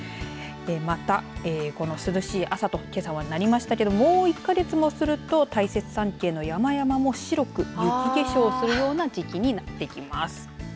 また、この涼しい朝とけさはなりましたけどもう１か月もすると大雪山系の山々も雪化粧する時期になってきます。